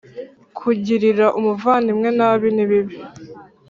kugirira umuvandimwe nabi nibibi.